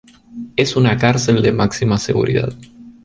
Es una cárcel de máxima seguridad.